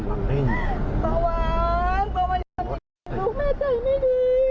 พ่อแม่รีบขับรถติดหัวใจหยุดเต้น